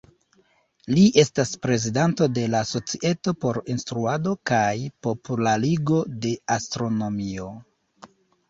Li estas prezidanto de la Societo por Instruado kaj Popularigo de Astronomio.